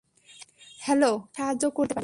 Hello, কীভাবে সাহায্য করতে পারি?